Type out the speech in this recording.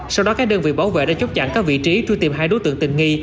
sau đó các đơn vị bảo vệ đã chốt chặn các vị trí truy tìm hai đối tượng tình nghi